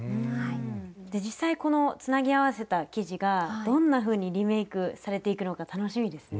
で実際このつなぎ合わせた生地がどんなふうにリメイクされていくのか楽しみですね。